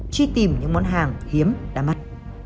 chi tìm những món hàng hiếm đá mặt